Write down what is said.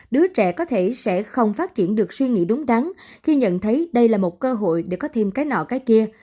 đứa trẻ có thể sẽ không phát triển được suy nghĩ đúng đắn khi nhận thấy đây là một cơ hội để có thêm cái nọ cái kia